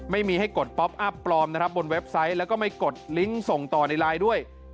ไม่มีให้กดป๊อปอัพปลอมนะครับบนเว็บไซต์แล้วก็ไม่กดลิงก์ส่งต่อในไลน์ด้วย